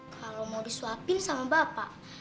kalau mau disuapin sama bapak